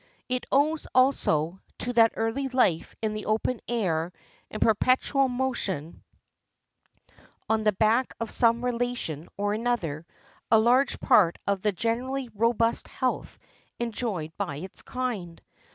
It owes, also, to that early life in the open air and perpetual motion on the back of some relation or other, a large part of the generally robust health enjoyed by its kind.